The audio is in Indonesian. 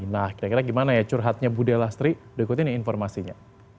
nah kira kira gimana ya curhatnya budelastri ikuti nih informasinya